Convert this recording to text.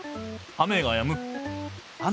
雨がやむ。